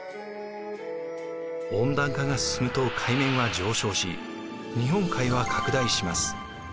温暖化が進むと海面は上昇し日本海は拡大します。